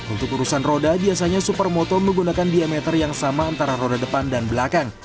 untuk urusan roda biasanya supermoto menggunakan diameter yang sama antara roda depan dan belakang